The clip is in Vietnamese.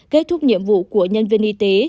kết thúc nhiệm vụ của nhân viên y tế